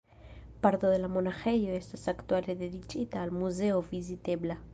Parto de la monaĥejo estas aktuale dediĉita al muzeo vizitebla.